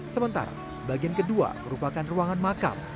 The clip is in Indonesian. sementara bagian kedua merupakan ruangan makam